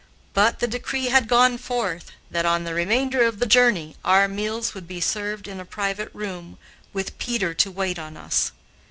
But the decree had gone forth that, on the remainder of the journey, our meals would be served in a private room, with Peter to wait on us.